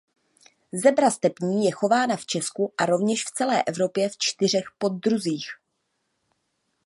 Zebra stepní je chována v Česku a rovněž v celé Evropě v čtyřech poddruzích.